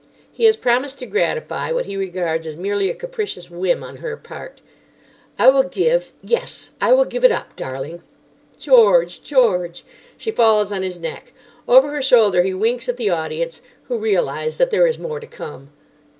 He has promised to gratify what he regards as merely a capricious whim on her part. 'I will give—yes, I will give it up, darling!' 'George! George!' She falls on his neck. Over her shoulder he winks at the audience, who realise that there is more to come.